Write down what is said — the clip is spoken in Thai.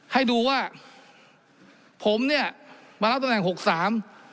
ให้ดูว่าผมเนี่ยมารับตำแหนหกสาม